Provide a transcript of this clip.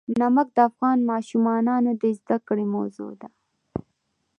نمک د افغان ماشومانو د زده کړې موضوع ده.